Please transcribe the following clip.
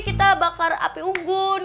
kita bakar api unggun